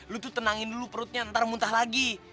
lu tuh tenangin dulu perutnya ntar muntah lagi